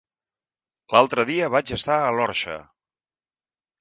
L'altre dia vaig estar a l'Orxa.